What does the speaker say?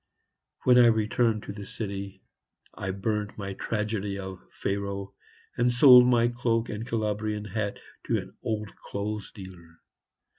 When I returned to the city I burned my tragedy of "Pharaoh," and sold my cloak and Calabrian hat to an old clothes dealer.